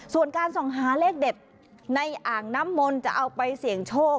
ส่วนการส่องหาเลขเด็ดในอ่างน้ำมนต์จะเอาไปเสี่ยงโชค